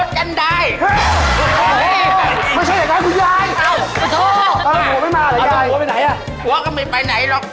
จูดบุหลีแล้วเป็นแบลน